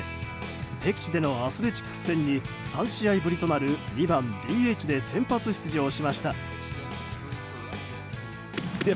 敵地でのアスレチックス戦に３試合ぶりとなる２番ＤＨで先発出場しました。